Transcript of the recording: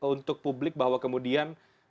untuk publik bahwa kemudian